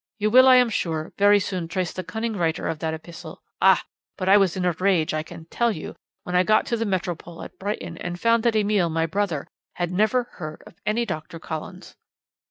You will, I am sure, very soon trace the cunning writer of that epistle ah! but I was in a rage, I can tell you, when I got to the Metropole at Brighton, and found that Emile, my brother, had never heard of any Doctor Collins.